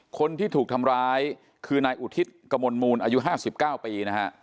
คนที่ถูกทำร้ายคือนายอุทิศกมลมูลอายุ๕๙ปีนะฮะ